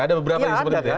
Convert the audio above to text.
ada beberapa yang seperti itu